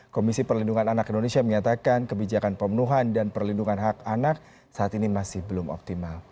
komisi perlindungan anak indonesia menyatakan kebijakan pemenuhan dan perlindungan hak anak saat ini masih belum optimal